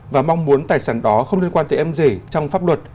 và mong muốn tài sản đó không liên quan tới em rể trong pháp luật